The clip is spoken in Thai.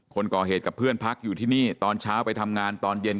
คนก่อเหตุกับเพื่อนพักอยู่ที่นี่ตอนเช้าไปทำงานตอนเย็น